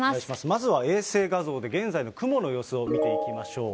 まずは衛星画像で現在の雲の様子を見ていきましょう。